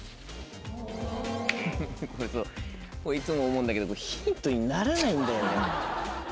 いつも思うんだけどヒントにならないんだよね。